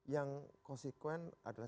yang konsekuen adalah